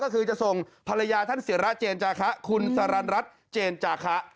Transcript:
ก็คือจะส่งภรรยาท่านศิราเจนจาคะคุณสรรรัฐเจนจาคะ